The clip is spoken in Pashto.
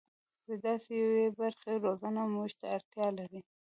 د داسې یوې برخې روزنه موږ ته اړتیا لري.